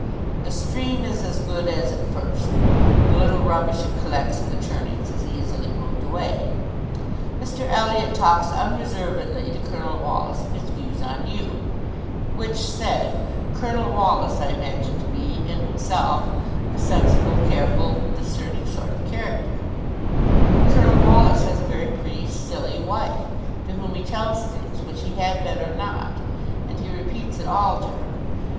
The stream is as good as at first; the little rubbish it collects in the turnings is easily moved away. Mr Elliot talks unreservedly to Colonel Wallis of his views on you, which said Colonel Wallis, I imagine to be, in himself, a sensible, careful, discerning sort of character; but Colonel Wallis has a very pretty silly wife, to whom he tells things which he had better not, and he repeats it all to her.